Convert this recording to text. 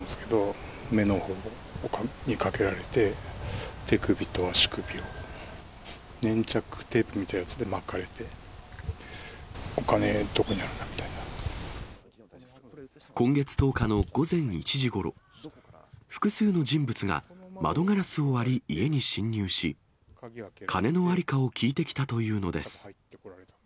たぶんそうだと思うんですけど、目のほうにかけられて、手首と足首を、粘着テープみたいなやつで巻かれて、今月１０日の午前１時ごろ、複数の人物が窓ガラスを割り、家に侵入し、金の在りかを聞いてきたというのです。